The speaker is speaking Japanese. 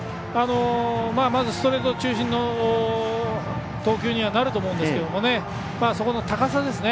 まずストレート中心の投球になるとは思うんですけどそこの高さですね。